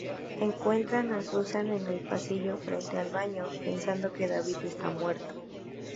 Encuentran a Susan en el pasillo frente al baño, pensando que David está muerto.